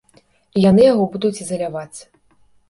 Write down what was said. І яны яго будуць ізаляваць.